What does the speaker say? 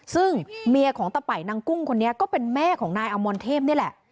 ซึ่งเมียของตะป่ายนางกุ้งคนนี้ก็เป็นแม่ของนายอมรเทพนี่แหละ